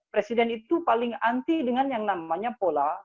presiden itu paling anti dengan yang namanya pola